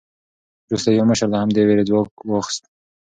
وروسته یو مشر له همدې وېرې ځواک واخیست.